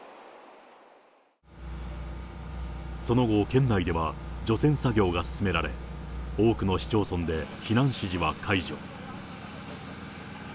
その後、県内では除染作業が進められ、多くの市町村で避難指示は解除。